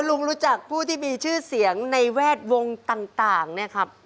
รู้จักผู้ที่มีชื่อเสียงในแวดวงต่างเนี่ยครับ